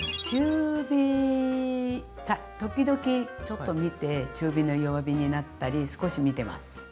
中火か時々ちょっと見て中火の弱火になったり少し見てます。